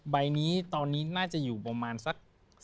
ใบนี้ตอนนี้จะอยู่ประมาณสัก๒๕๐๐